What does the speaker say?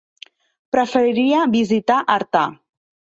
Preferiria visitar Artà.